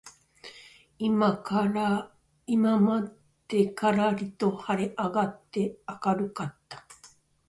今までからりと晴はれ上あがって明あかるかった